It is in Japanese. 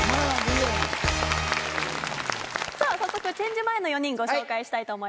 早速チェンジ前の４人ご紹介したいと思います。